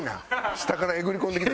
下からえぐり込んできて。